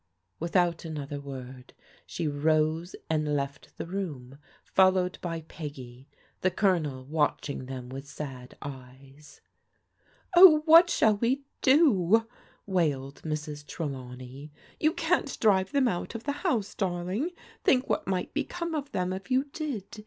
Without another word she rose and left the room, fol lowed by Peggy, the Colonel watching them with sad eyes. Oh, what shall we do?'* wailed Mrs. Trelawney. You can't drive them out of the house, darling. Think what might become of them if you did.